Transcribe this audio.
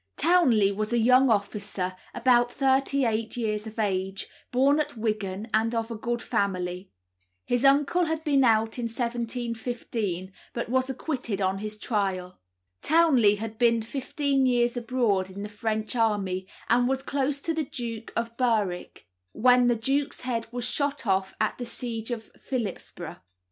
Townley was a young officer about thirty eight years of age, born at Wigan, and of a good family. His uncle had been out in 1715, but was acquitted on his trial. Townley had been fifteen years abroad in the French army, and was close to the Duke of Berwick when the duke's head was shot off at the siege of Philipsburgh.